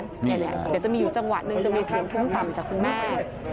เดี๋ยวจะมีอยู่จังหวะหนึ่งจะมีเสียงทุ่มต่ำจากคุณแม่